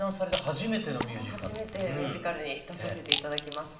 初めてミュージカルに出させて頂きます。